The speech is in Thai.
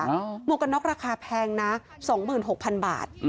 อีกล๊อคราคาแพงนะ๒๖๐๐๐บาท